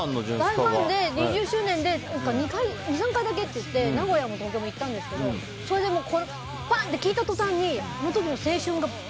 大ファンで２０周年で２３回だけっていって名古屋も東京も行ったんですけどそれで聴いた途端にあの時の青春が。